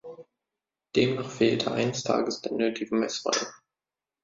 Demnach fehlte eines Tages der nötige Messwein.